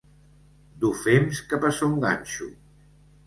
Dur fems cap a Son Ganxo.